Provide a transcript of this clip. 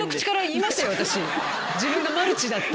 私自分がマルチだって。